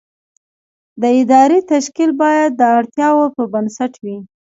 د ادارې تشکیل باید د اړتیاوو پر بنسټ وي.